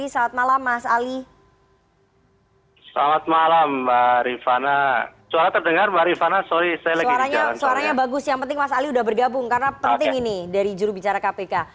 suaranya bagus yang penting mas ali sudah bergabung karena penting ini dari jurubicara kpk